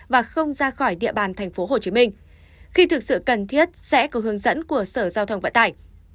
và không ra khỏi địa bàn tp hcm khi thực sự cần thiết sẽ có hướng dẫn của sở giao thông vận tải